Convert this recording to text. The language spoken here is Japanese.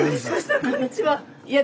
こんにちは。